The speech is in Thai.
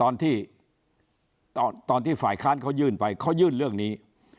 ตอนที่ตอนที่ฝ่ายค้านเขายื่นไปเขายื่นเรื่องนี้